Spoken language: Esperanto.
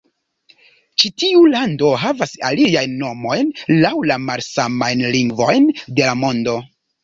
Ĉi tiu lando havas aliajn nomojn laŭ la malsamaj lingvoj de la mondo.